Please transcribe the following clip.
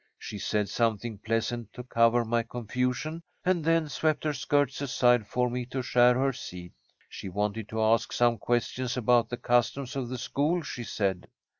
She said something pleasant to cover my confusion, and then swept her skirts aside for me to share her seat. She wanted to ask some questions about the customs of the school, she said.